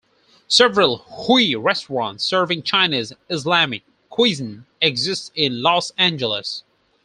Several Hui restaurants serving Chinese Islamic cuisine exist in Los Angeles.